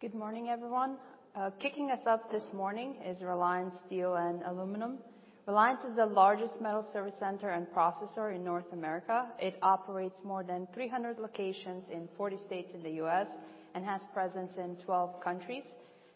Good morning, everyone. Kicking us off this morning is Reliance Steel & Aluminum. Reliance is the largest metals service center and processor in North America. It operates more than 300 locations in 40 states in the U.S. and has presence in 12 countries.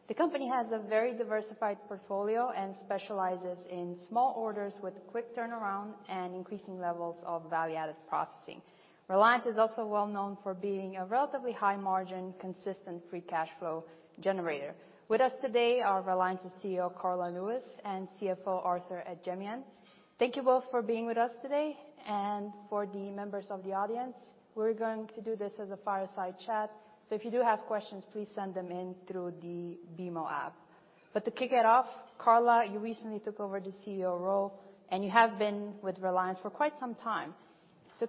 The company has a very diversified portfolio and specializes in small orders with quick turnaround and increasing levels of value-added processing. Reliance is also well-known for being a relatively high margin, consistent free cash flow generator. With us today are Reliance's CEO, Karla Lewis, and CFO, Arthur Ajemyan. Thank you both for being with us today and for the members of the audience. We're going to do this as a fireside chat, so if you do have questions, please send them in through the BMO app. To kick it off, Karla, you recently took over the CEO role, and you have been with Reliance for quite some time.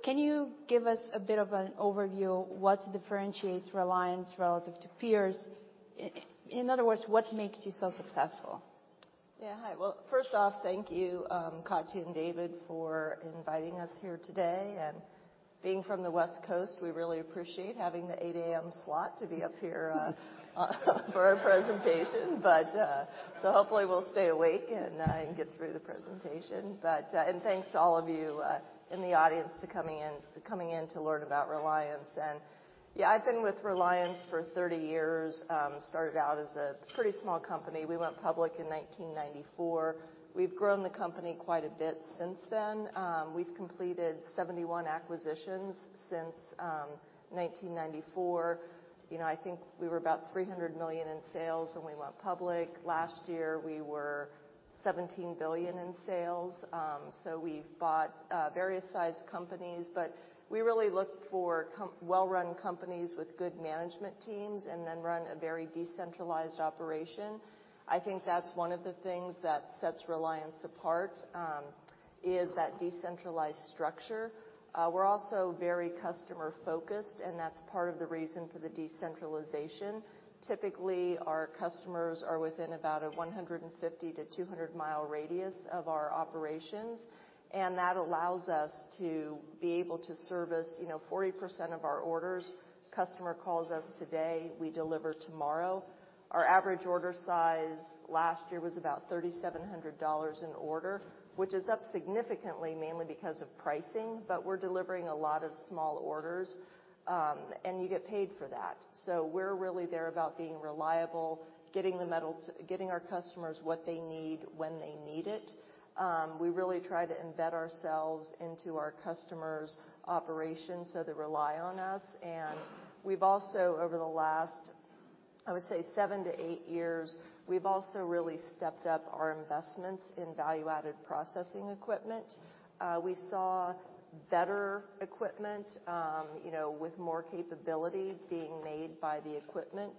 Can you give us a bit of an overview what differentiates Reliance relative to peers? In other words, what makes you so successful? Hi. First off, thank you, Katja and David for inviting us here today. Being from the West Coast, we really appreciate having the 8:00 A.M. slot to be up here for our presentation. Hopefully, we'll stay awake and get through the presentation. Thanks to all of you in the audience to coming in to learn about Reliance. I've been with Reliance for 30 years. Started out as a pretty small company. We went public in 1994. We've grown the company quite a bit since then. We've completed 71 acquisitions since 1994. You know, I think we were about $300 million in sales when we went public. Last year, we were $17 billion in sales. We've bought various sized companies, but we really look for well-run companies with good management teams and then run a very decentralized operation. I think that's one of the things that sets Reliance apart, is that decentralized structure. We're also very customer-focused, and that's part of the reason for the decentralization. Typically, our customers are within about a 150-200-mile radius of our operations, and that allows us to be able to service, you know, 40% of our orders. Customer calls us today. We deliver tomorrow. Our average order size last year was about $3,700 an order, which is up significantly, mainly because of pricing, but we're delivering a lot of small orders, and you get paid for that. We're really there about being reliable, getting our customers what they need when they need it. We really try to embed ourselves into our customers' operations so they rely on us. We've also, over the last, I would say 7 to 8 years, we've also really stepped up our investments in value-added processing equipment. We saw better equipment, you know, with more capability being made by the equipment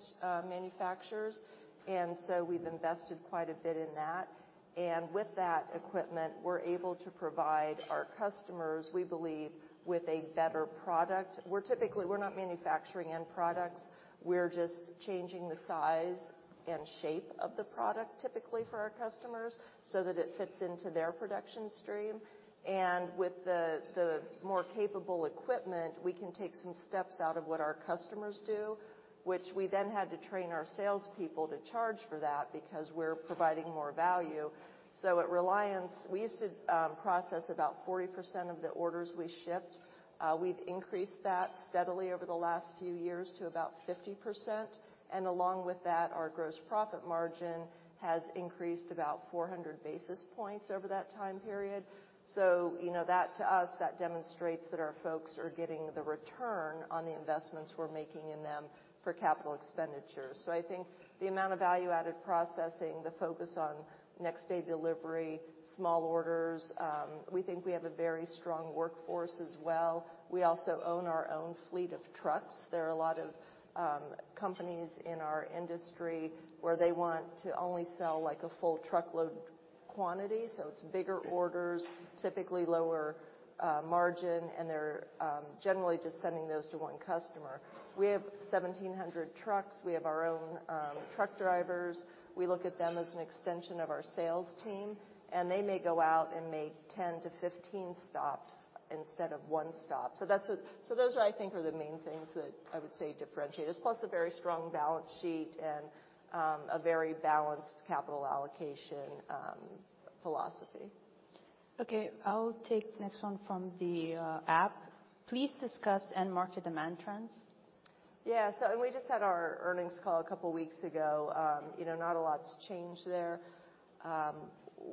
manufacturers. We've invested quite a bit in that. With that equipment, we're able to provide our customers, we believe, with a better product. We're not manufacturing end products. We're just changing the size and shape of the product typically for our customers so that it fits into their production stream. With the more capable equipment, we can take some steps out of what our customers do, which we then had to train our salespeople to charge for that because we're providing more value. At Reliance, we used to process about 40% of the orders we shipped. We've increased that steadily over the last few years to about 50%, and along with that, our gross profit margin has increased about 400 basis points over that time period. You know, that to us, that demonstrates that our folks are getting the return on the investments we're making in them for capital expenditures. I think the amount of value-added processing, the focus on next day delivery, small orders, we think we have a very strong workforce as well. We also own our own fleet of trucks. There are a lot of companies in our industry where they want to only sell, like, a full truckload quantity, so it's bigger orders, typically lower margin, and they're generally just sending those to one customer. We have 1,700 trucks. We have our own truck drivers. We look at them as an extension of our sales team, and they may go out and make 10-15 stops instead of one stop. Those are, I think, are the main things that I would say differentiate us, plus a very strong balance sheet and a very balanced capital allocation philosophy. Okay. I'll take next one from the app. Please discuss end market demand trends. Yeah. We just had our earnings call a couple weeks ago. You know, not a lot's changed there.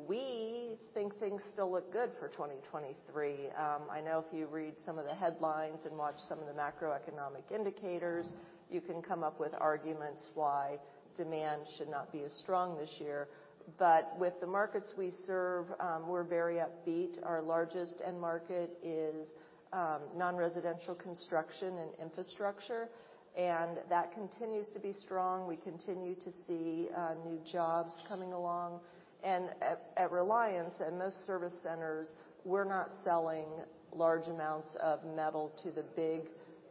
We think things still look good for 2023. I know if you read some of the headlines and watch some of the macroeconomic indicators, you can come up with arguments why demand should not be as strong this year. With the markets we serve, we're very upbeat. Our largest end market is non-residential construction and infrastructure, and that continues to be strong. We continue to see new jobs coming along. At Reliance and most service centers, we're not selling large amounts of metal to the big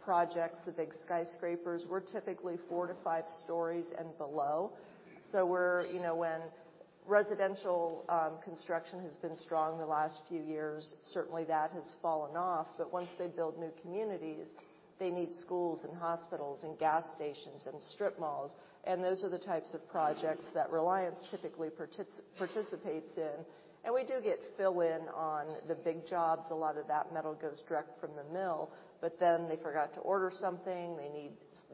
projects, the big skyscrapers. We're typically 4 to 5 stories and below. We're, you know, Residential construction has been strong the last few years. Certainly, that has fallen off. Once they build new communities, they need schools and hospitals and gas stations and strip malls. Those are the types of projects that Reliance typically participates in. We do get fill-in on the big jobs. A lot of that metal goes direct from the mill, they forgot to order something, they need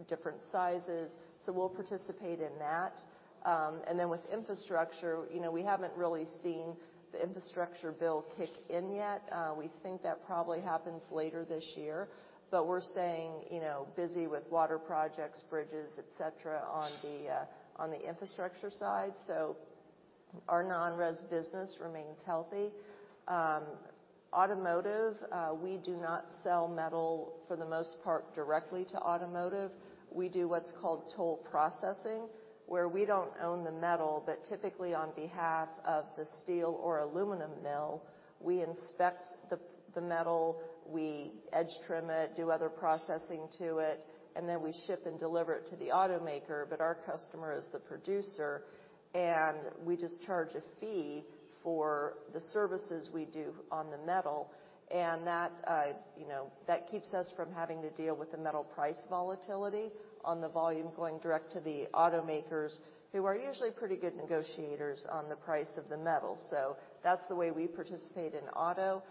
different sizes, so we'll participate in that. With infrastructure, you know, we haven't really seen the infrastructure bill kick in yet. We think that probably happens later this year. We're staying, you know, busy with water projects, bridges, et cetera, on the infrastructure side. Our non-res business remains healthy. Automotive, we do not sell metal, for the most part, directly to automotive. We do what's called toll processing, where we don't own the metal. Typically on behalf of the steel or aluminum mill, we inspect the metal, we edge trim it, do other processing to it. Then we ship and deliver it to the automaker. Our customer is the producer. We just charge a fee for the services we do on the metal. That, you know, that keeps us from having to deal with the metal price volatility on the volume going direct to the automakers, who are usually pretty good negotiators on the price of the metal. That's the way we participate in auto.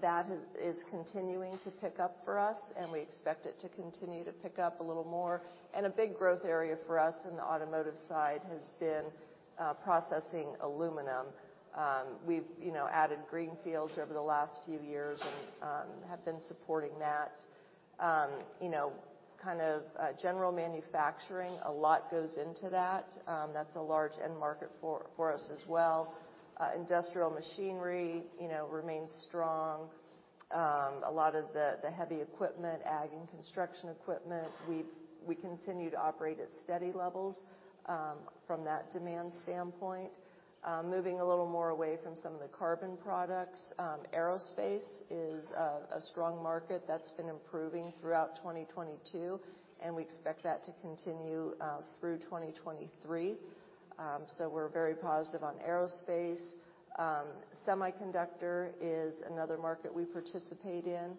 That is continuing to pick up for us, and we expect it to continue to pick up a little more. A big growth area for us in the automotive side has been processing aluminum. We've, you know, added greenfields over the last few years and have been supporting that. You know, kind of, general manufacturing, a lot goes into that. That's a large end market for us as well. Industrial machinery, you know, remains strong. A lot of the heavy equipment, ag and construction equipment, we continue to operate at steady levels from that demand standpoint. Moving a little more away from some of the carbon products, aerospace is a strong market that's been improving throughout 2022, and we expect that to continue through 2023. We're very positive on aerospace. Semiconductor is another market we participate in,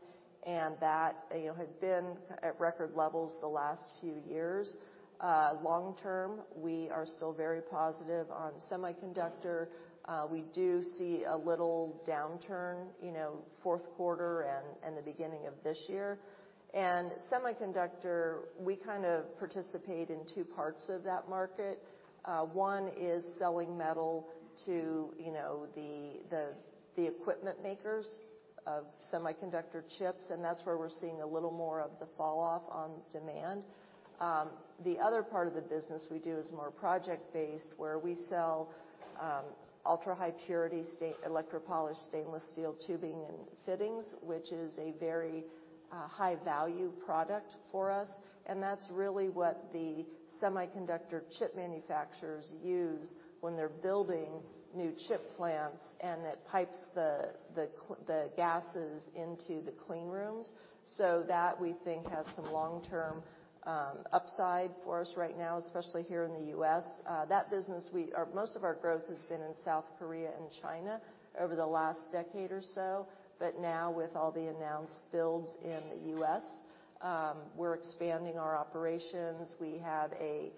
and that, you know, had been at record levels the last few years. Long term, we are still very positive on semiconductor. We do see a little downturn, you know, fourth quarter and the beginning of this year. Semiconductor, we kind of participate in 2 parts of that market. One is selling metal to, you know, the, the equipment makers of semiconductor chips, and that's where we're seeing a little more of the falloff on demand. The other part of the business we do is more project-based, where we sell ultra-high purity electropolished stainless steel tubing and fittings, which is a very high-value product for us. That's really what the semiconductor chip manufacturers use when they're building new chip plants, and it pipes the gases into the clean rooms. That, we think, has some long-term upside for us right now, especially here in the U.S. That business or most of our growth has been in South Korea and China over the last decade or so. Now with all the announced builds in the U.S., we're expanding our operations. We have a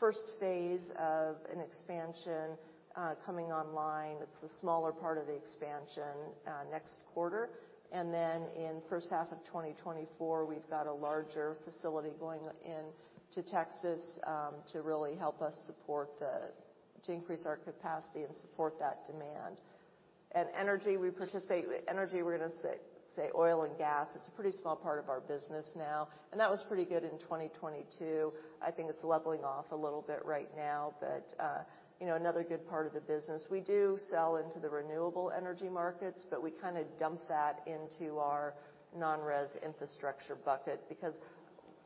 first phase of an expansion coming online, it's the smaller part of the expansion next quarter. In first half of 2024, we've got a larger facility going in to Texas to really help us to increase our capacity and support that demand. Energy, we participate. Energy, we're gonna say oil and gas. It's a pretty small part of our business now, and that was pretty good in 2022. I think it's leveling off a little bit right now, but, you know, another good part of the business. We do sell into the renewable energy markets, we kinda dump that into our non-res infrastructure bucket because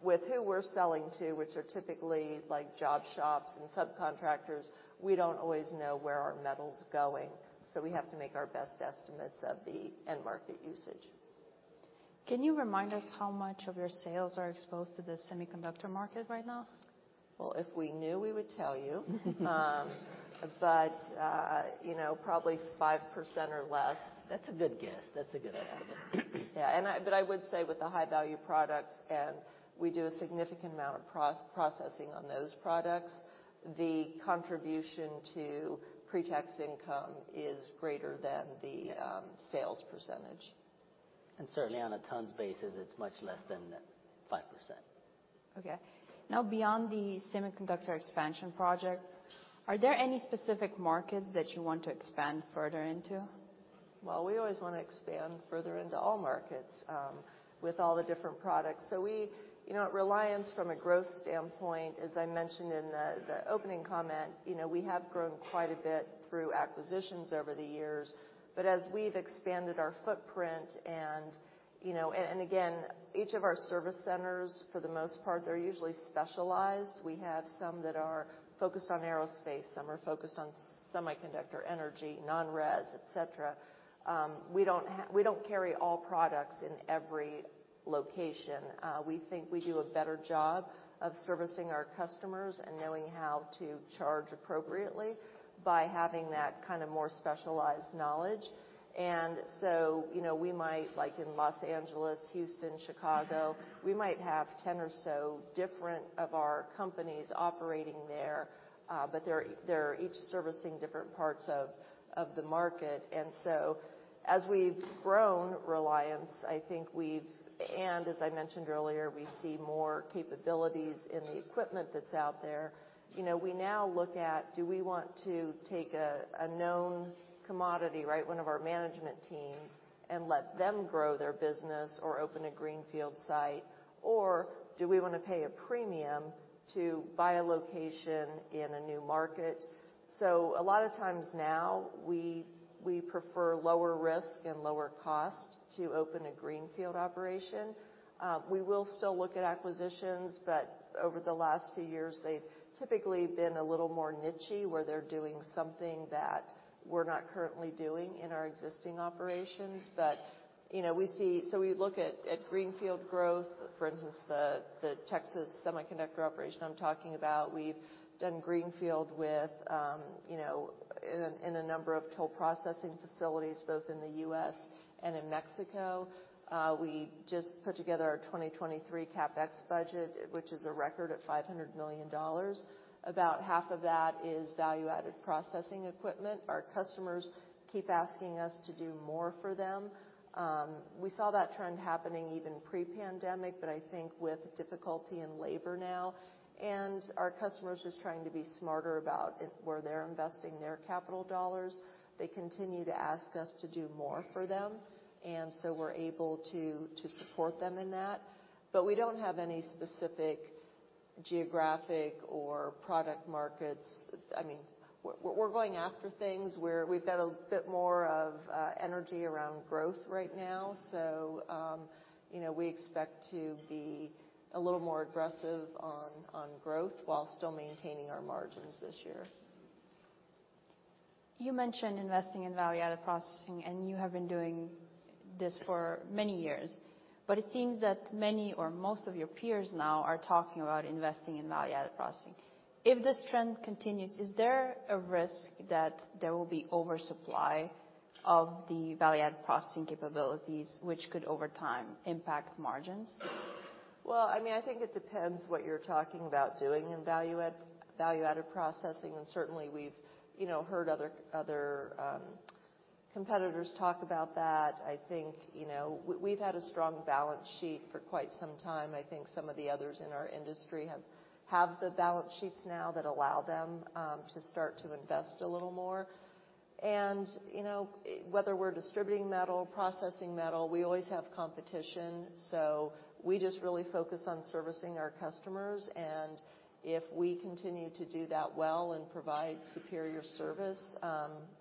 with who we're selling to, which are typically like job shops and subcontractors, we don't always know where our metal's going. We have to make our best estimates of the end market usage. Can you remind us how much of your sales are exposed to the semiconductor market right now? Well, if we knew, we would tell you. You know, probably 5% or less. That's a good guess. That's a good estimate. Yeah. I would say with the high-value products, and we do a significant amount of processing on those products, the contribution to pre-tax income is greater than the sales percentage. Certainly on a tons basis, it's much less than 5%. Okay. Now, beyond the semiconductor expansion project, are there any specific markets that you want to expand further into? Well, we always wanna expand further into all markets, with all the different products. we, you know, at Reliance, from a growth standpoint, as I mentioned in the opening comment, you know, we have grown quite a bit through acquisitions over the years. as we've expanded our footprint and you know, and again, each of our service centers, for the most part, they're usually specialized. We have some that are focused on aerospace, some are focused on semiconductor energy, non-res, et cetera. we don't carry all products in every location. we think we do a better job of servicing our customers and knowing how to charge appropriately by having that kind of more specialized knowledge. You know, we might, like in Los Angeles, Houston, Chicago, we might have 10 or so different of our companies operating there, but they're each servicing different parts of the market. As we've grown Reliance, I think, as I mentioned earlier, we see more capabilities in the equipment that's out there. You know, we now look at do we want to take a known commodity, right? One of our management teams and let them grow their business or open a greenfield site, or do we wanna pay a premium to buy a location in a new market? A lot of times now, we prefer lower risk and lower cost to open a greenfield operation. We will still look at acquisitions. Over the last few years, they've typically been a little more niche-y, where they're doing something that we're not currently doing in our existing operations. You know, we look at greenfield growth, for instance, the Texas semiconductor operation I'm talking about. We've done greenfield with, you know, in a number of toll processing facilities, both in the U.S. and in Mexico. We just put together our 2023 CapEx budget, which is a record at $500 million. About half of that is value-added processing equipment. Our customers keep asking us to do more for them. We saw that trend happening even pre-pandemic, but I think with difficulty in labor now, and our customers just trying to be smarter about where they're investing their capital dollars, they continue to ask us to do more for them. We're able to support them in that. We don't have any specific geographic or product markets. We're going after things where we've got a bit more energy around growth right now. You know, we expect to be a little more aggressive on growth while still maintaining our margins this year. You mentioned investing in value-added processing. You have been doing this for many years. It seems that many or most of your peers now are talking about investing in value-added processing. If this trend continues, is there a risk that there will be oversupply of the value-added processing capabilities, which could, over time, impact margins? Well, I mean, I think it depends what you're talking about doing in value-added processing. Certainly we've, you know, heard other competitors talk about that. I think, you know, we've had a strong balance sheet for quite some time. I think some of the others in our industry have the balance sheets now that allow them to start to invest a little more. You know, whether we're distributing metal or processing metal, we always have competition, so we just really focus on servicing our customers. If we continue to do that well and provide superior service,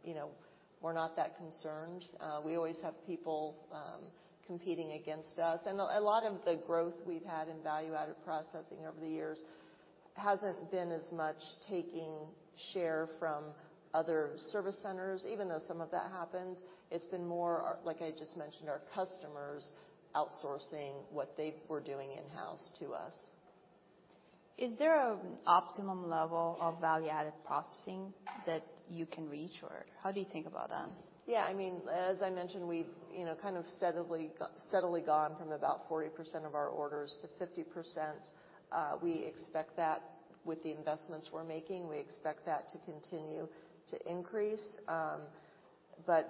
you know, we're not that concerned. We always have people competing against us. A lot of the growth we've had in value-added processing over the years hasn't been as much taking share from other service centers, even though some of that happens. It's been more, like I just mentioned, our customers outsourcing what they were doing in-house to us. Is there an optimum level of value-added processing that you can reach, or how do you think about that? I mean, as I mentioned, we've, you know, kind of steadily gone from about 40% of our orders to 50%. We expect that with the investments we're making, we expect that to continue to increase.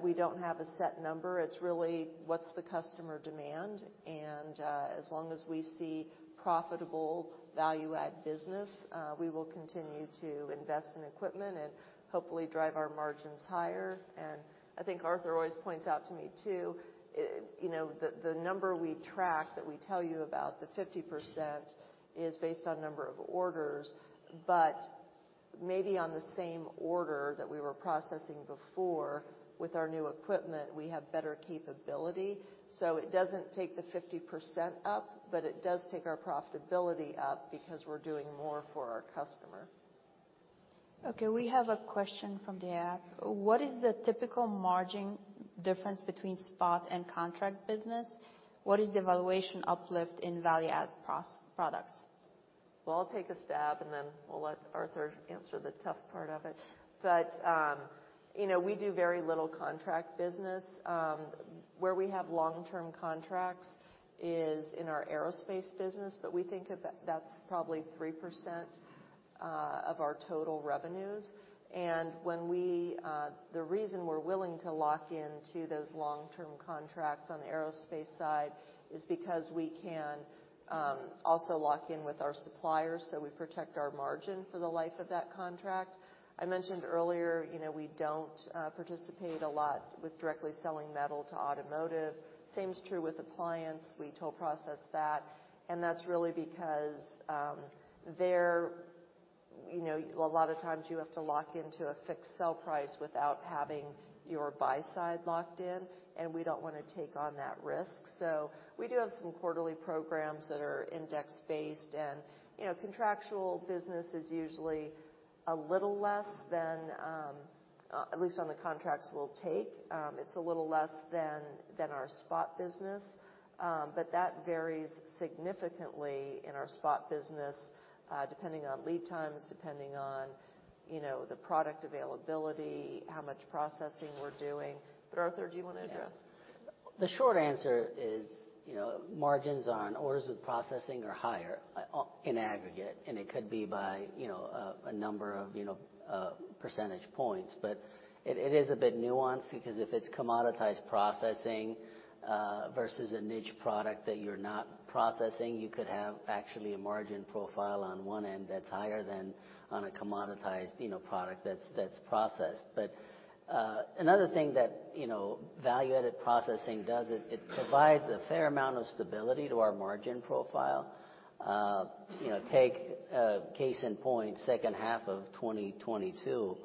We don't have a set number. It's really what's the customer demand. As long as we see profitable value-added business, we will continue to invest in equipment and hopefully drive our margins higher. I think Arthur Ajemyan always points out to me, too, you know, the number we track that we tell you about, the 50%, is based on number of orders. Maybe on the same order that we were processing before, with our new equipment, we have better capability. It doesn't take the 50% up, but it does take our profitability up because we're doing more for our customer. Okay, we have a question from the app. What is the typical margin difference between spot and contract business? What is the valuation uplift in value-add products? I'll take a stab, and then we'll let Arthur Ajemyan answer the tough part of it. You know, we do very little contract business. Where we have long-term contracts is in our aerospace business, but we think of that's probably 3% of our total revenues. When we, the reason we're willing to lock into those long-term contracts on the aerospace side is because we can also lock in with our suppliers, so we protect our margin for the life of that contract. I mentioned earlier, you know, we don't participate a lot with directly selling metal to automotive. Same is true with appliance. We toll process that. That's really because, You know, a lot of times you have to lock into a fixed sell price without having your buy side locked in, and we don't wanna take on that risk. We do have some quarterly programs that are index-based. You know, contractual business is usually a little less than, at least on the contracts we'll take, it's a little less than our spot business. That varies significantly in our spot business, depending on lead times, depending on, you know, the product availability, how much processing we're doing. Arthur, do you wanna address? The short answer is, you know, margins on orders with processing are higher, in aggregate. It could be by, you know, a number of, you know, percentage points. It is a bit nuanced because if it's commoditized processing, versus a niche product that you're not processing, you could have actually a margin profile on one end that's higher than on a commoditized, you know, product that's processed. Another thing that, you know, value-added processing does is it provides a fair amount of stability to our margin profile. You know, take case in point, second half of 2022,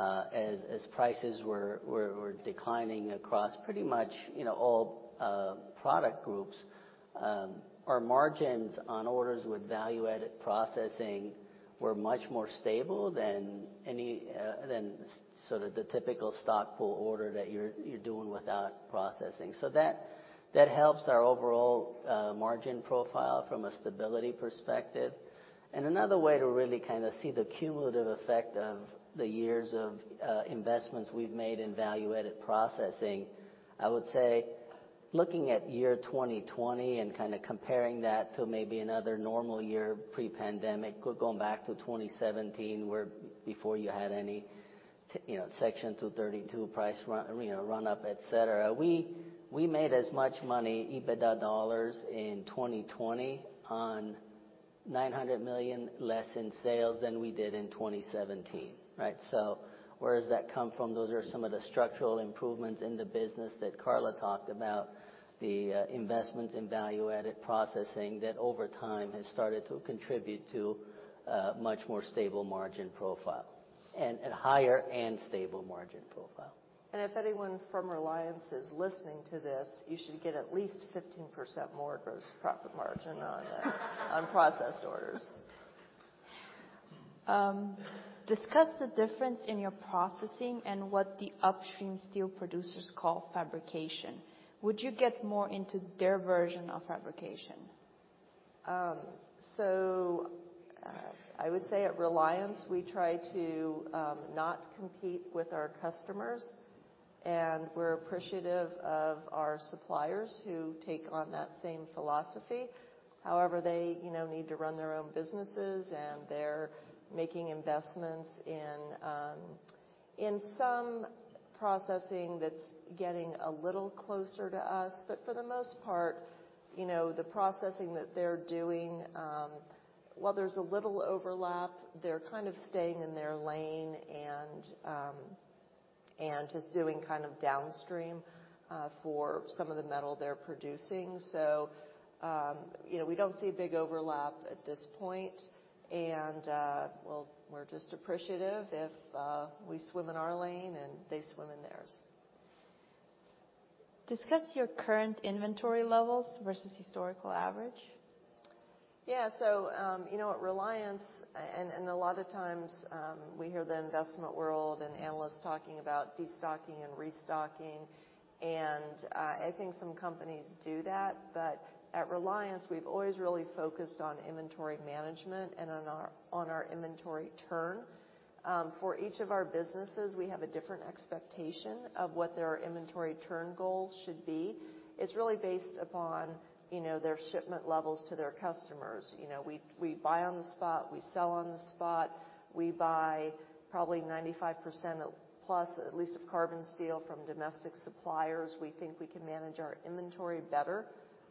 as prices were declining across pretty much, you know, all product groups, our margins on orders with value-added processing were much more stable than any than sort of the typical stock pull order that you're doing without processing. That helps our overall margin profile from a stability perspective. Another way to really kind of see the cumulative effect of the years of investments we've made in value-added processing, I would say looking at year 2020 and kinda comparing that to maybe another normal year pre-pandemic, going back to 2017, where before you had any, you know, Section 232 price run, you know, run up, et cetera, we made as much money, EBITDA dollars, in 2020 on $900 million less in sales than we did in 2017, right? Where does that come from? Those are some of the structural improvements in the business that Karla talked about, the investments in value-added processing that over time has started to contribute to a much more stable margin profile and higher and stable margin profile. If anyone from Reliance is listening to this, you should get at least 15% more gross profit margin on processed orders. discuss the difference in your processing and what the upstream steel producers call fabrication. Would you get more into their version of fabrication? I would say at Reliance, we try to not compete with our customers, and we're appreciative of our suppliers who take on that same philosophy. They, you know, need to run their own businesses, and they're making investments in some processing that's getting a little closer to us. For the most part, you know, the processing that they're doing, while there's a little overlap, they're kind of staying in their lane and just doing kind of downstream for some of the metal they're producing. You know, we don't see a big overlap at this point, and we're just appreciative if we swim in our lane and they swim in theirs. Discuss your current inventory levels versus historical average. Yeah. You know, at Reliance, and a lot of times, we hear the investment world and analysts talking about destocking and restocking, I think some companies do that. At Reliance, we've always really focused on inventory management and on our inventory turn. For each of our businesses, we have a different expectation of what their inventory turn goal should be. It's really based upon, you know, their shipment levels to their customers. You know, we buy on the spot, we sell on the spot. We buy probably 95% plus, at least, of carbon steel from domestic suppliers. We think we can manage our inventory better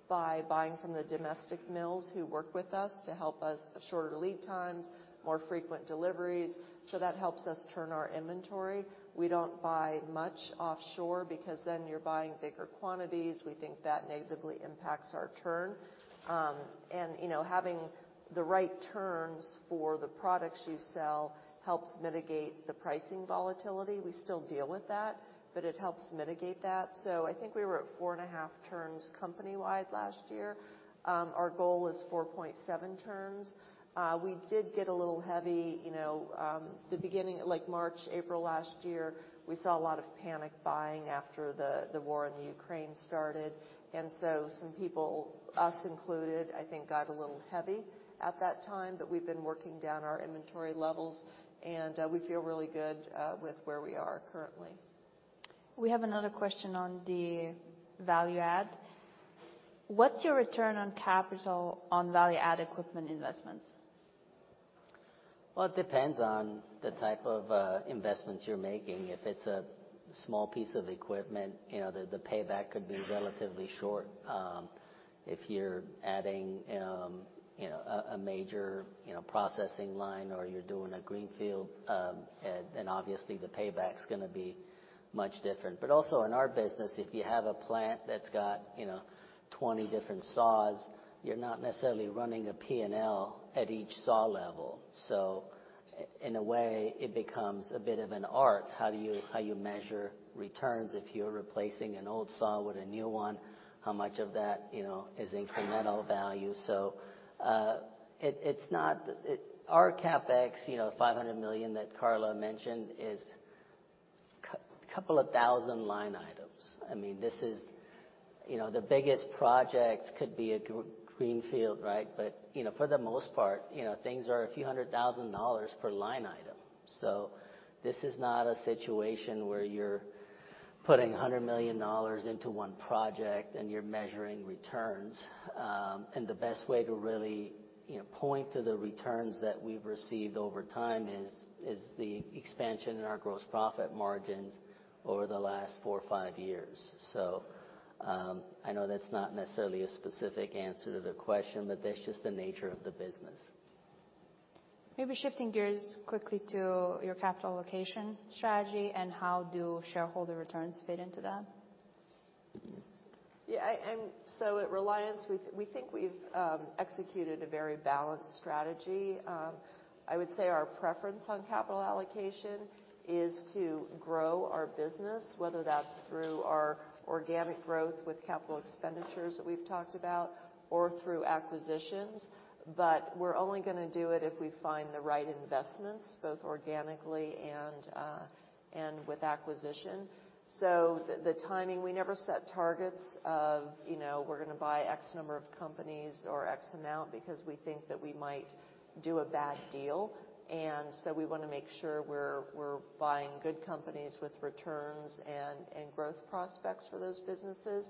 by buying from the domestic mills who work with us to help us shorter lead times, more frequent deliveries. That helps us turn our inventory. We don't buy much offshore because then you're buying bigger quantities. We think that negatively impacts our turn. You know, having the right turns for the products you sell helps mitigate the pricing volatility. We still deal with that, but it helps mitigate that. I think we were at 4.5 turns company-wide last year. Our goal is 4.7 turns. We did get a little heavy, you know, the beginning, like March, April last year. We saw a lot of panic buying after the war in Ukraine started. Some people, us included, I think, got a little heavy at that time, but we've been working down our inventory levels, and we feel really good with where we are currently. We have another question on the value add. What's your return on capital on value-add equipment investments? Well, it depends on the type of investments you're making. If it's a small piece of equipment, you know, the payback could be relatively short. If you're adding, you know, a major, you know, processing line or you're doing a greenfield, then obviously the payback's gonna be much different. Also in our business, if you have a plant that's got, you know, 20 different saws, you're not necessarily running a P&L at each saw level. In a way, it becomes a bit of an art. How you measure returns if you're replacing an old saw with a new one, how much of that, you know, is incremental value? Our CapEx, you know, $500 million that Karla mentioned is couple of thousand line items. I mean, this is, you know, the biggest projects could be a greenfield, right? You know, for the most part, you know, things are a few hundred thousand dollars per line item. This is not a situation where you're putting $100 million into one project and you're measuring returns. The best way to really, you know, point to the returns that we've received over time is the expansion in our gross profit margins over the last four or five years. I know that's not necessarily a specific answer to the question, but that's just the nature of the business. Maybe shifting gears quickly to your capital allocation strategy and how do shareholder returns fit into that? At Reliance, we think we've executed a very balanced strategy. I would say our preference on capital allocation is to grow our business, whether that's through our organic growth with capital expenditures that we've talked about or through acquisitions. We're only gonna do it if we find the right investments, both organically and with acquisition. The timing, we never set targets of, you know, we're gonna buy X number of companies or X amount because we think that we might do a bad deal. We wanna make sure we're buying good companies with returns and growth prospects for those businesses.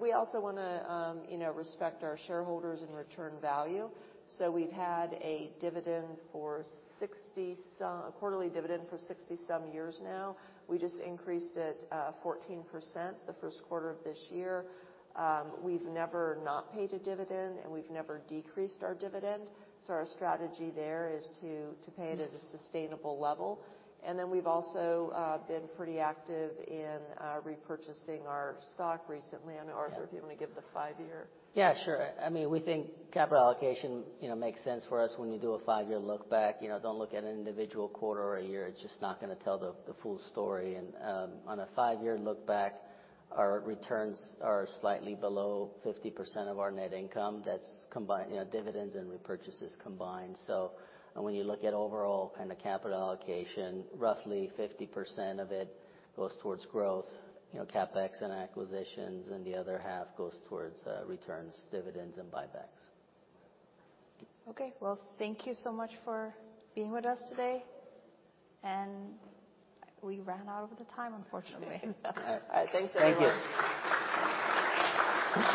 We also wanna, you know, respect our shareholders and return value. We've had a dividend for a quarterly dividend for 60 some years now. We just increased it 14% the first quarter of this year. We've never not paid a dividend, and we've never decreased our dividend. Our strategy there is to pay it at a sustainable level. Then we've also been pretty active in repurchasing our stock recently. I know, Arthur, if you wanna give the 5-year. Yeah, sure. I mean, we think capital allocation, you know, makes sense for us when you do a five-year look back. You know, don't look at an individual quarter or a year, it's just not gonna tell the full story. On a five-year look back, our returns are slightly below 50% of our net income. That's combined, you know, dividends and repurchases combined. When you look at overall kinda capital allocation, roughly 50% of it goes towards growth, you know, CapEx and acquisitions, and the other half goes towards returns, dividends, and buybacks. Okay. Well, thank you so much for being with us today. We ran out of the time, unfortunately. All right. Thanks, everyone. Thank you.